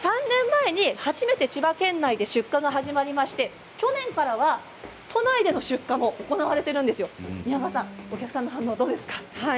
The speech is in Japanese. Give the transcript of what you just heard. ３年前に初めて千葉県内で出荷が始まりまして去年からは都内での出荷も行われているんですね、お客さんの反応どうですか。